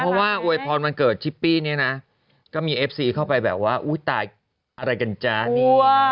เพราะว่าอวยพรวันเกิดชิปปี้เนี่ยนะก็มีเอฟซีเข้าไปแบบว่าอุ้ยตายอะไรกันจ๊ะเนี่ย